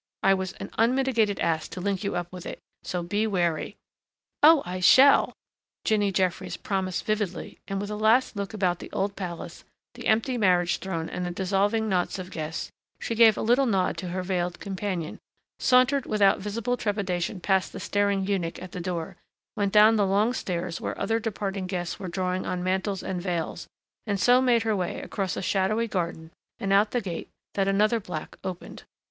I was an unmitigated ass to link you up with it. So be wary." "Oh, I shall!" Jinny Jeffries promised vividly and with a last look about the old palace, the empty marriage throne and the dissolving knots of guests, she gave a little nod to her veiled companion, sauntered without visible trepidation past the staring eunuch at the door, went down the long stairs where other departing guests were drawing on mantles and veils, and so made her way across a shadowy garden and out the gate that another black opened.